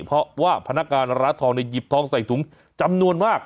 เพราะว่าพนักงานร้านทองหยิบทองใส่ถุงจำนวนมาก